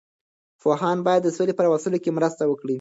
پوهان باید د سولې په راوستلو کې مرسته وکړي.